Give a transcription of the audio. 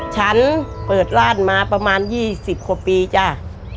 ฉันเปิดราชมาประมาณ๒๐ครบปีจ้า